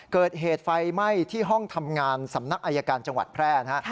เกิดเหตุไฟไหม้ที่ห้องทำงานสำนักอายการจังหวัดแพร่นะฮะ